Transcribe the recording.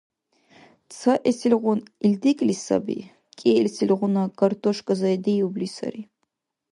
Цаэсилгъуна, ил декӀли саби, кӀиэсилгъуна, картошка заядиубли сари.